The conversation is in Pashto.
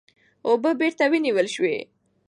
اوبه بېرته ونیول سوې.